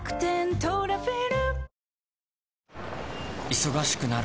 忙しくなるほど